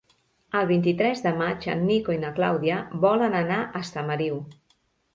El vint-i-tres de maig en Nico i na Clàudia volen anar a Estamariu.